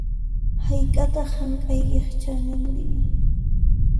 Hayk'ataq hank'aykiq chaninri?